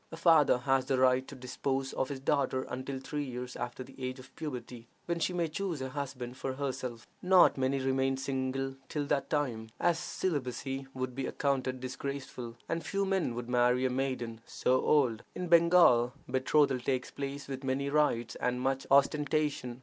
A father has the right to dispose of his daughter until three years after the age of puberty, when she may choose a husband for herself: not many remain single till that time, as celibacy would be accounted disgraceful, and few men would marry a maiden so old. In Bengal, betrothal takes place with many rites and much ostentation.